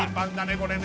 これね